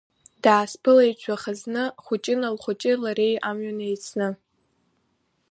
Даасԥылеит жәахазны Хәыҷына лхәыҷи лареи амҩан еицны.